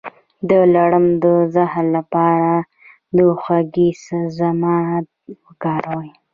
د لړم د زهر لپاره د هوږې ضماد وکاروئ